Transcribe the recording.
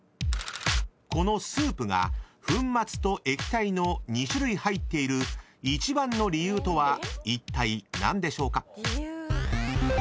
［このスープが粉末と液体の２種類入っている一番の理由とはいったい何でしょうか？］